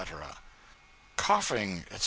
'Coughing, etc.'